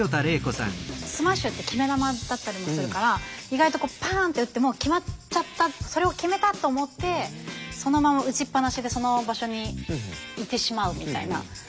スマッシュって決め球だったりもするから意外とこうパンって打ってもう決まっちゃったそれを決めたと思ってそのまま打ちっぱなしでその場所にいてしまうみたいな。